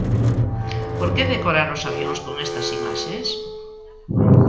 Por que decorar os avións con estas imaxes?